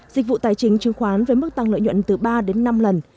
dịch vụ tài chính chứng khoán với mức tăng lợi nhuận từ ba đến năm lần